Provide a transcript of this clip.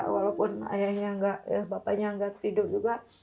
walaupun ayahnya gak bapaknya gak tidur juga